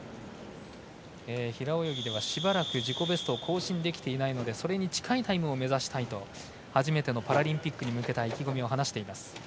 平泳ぎでは、しばらく自己ベストを更新できていないのでそれに近いタイムを目指したいと初めてのパラリンピックに向けた意気込みを話しています。